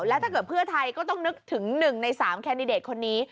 แล้วถ้าเกิดเพื่อไทยก็ต้องนึกถึง๑ใน๓แคนดิเดตคนนี้